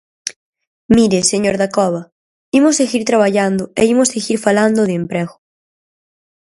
Mire, señor Dacova, imos seguir traballando e imos seguir falando de emprego.